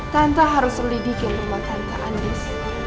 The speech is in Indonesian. tante harus selidiki rumah tante andis